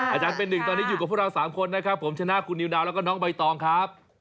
อาจารย์เป็นหนึ่งตอนนี้อยู่กับพวกเรา๓คนนะครับผมชนะคุณนิวดาวแล้วก็น้องใบตองครับ